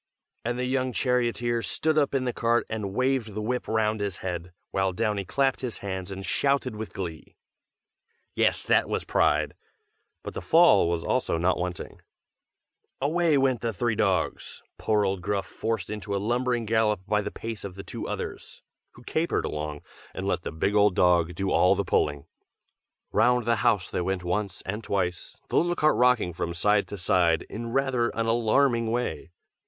'" and the young charioteer stood up in the cart and waved the whip round his head, while Downy clapped his hands and shouted with glee. Yes, that was pride! but the fall also was not wanting. [Illustration: OLD GRUFF.] Away went the three dogs, poor old Gruff forced into a lumbering gallop by the pace of the two others, who capered along, and let the big old dog do all the pulling. Round the house they went once and twice, the little cart rocking from side to side in rather an alarming way.